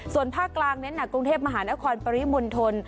ส่วนภาคกลางเน้นหนักกรุงเทพมหานครปริมณฑล